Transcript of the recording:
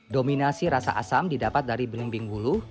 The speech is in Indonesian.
dominasi rasa asam didapat dari belimbing bulu